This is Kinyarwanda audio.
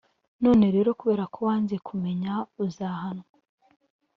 None rero kubera ko wanze kumenya uzahanwa